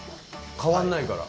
変わんないから。